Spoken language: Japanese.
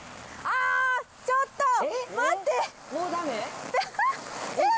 全然、ちょっと待って。